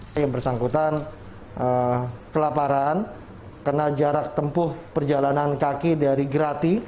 saya bersangkutan kelaparan karena jarak tempuh perjalanan kaki dari grat